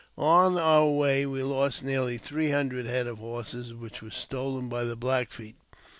On our way we lost nearly three hundred head of horses, which were stolen by the Black Feet.